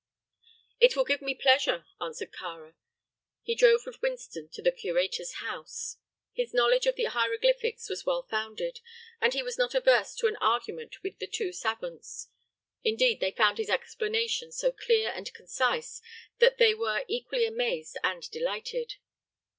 "It will give me pleasure," answered Kāra he drove with Winston to the curator's house. His knowledge of the hieroglyphics was well founded, and he was not averse to an argument with the two savants. Indeed, they found his explanations so clear and concise that they were equally amazed and delighted.